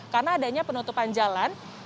karena adanya penutupan jalan